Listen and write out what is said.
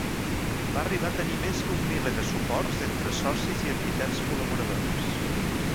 Va arribar a tenir més d'un miler de suports entre socis i entitats col·laboradores.